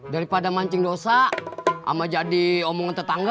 daripada mancing dosa sama jadi omongan tetangga